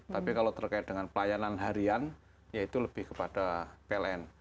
tapi kalau terkait dengan pelayanan harian ya itu lebih kepada pln